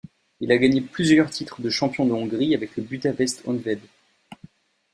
Il a gagné plusieurs titres de champion de Hongrie avec le Budapest Honvéd.